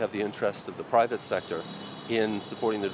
và chúng ta đã thấy nhiều lần này trong một cuộc sáng tạo lớn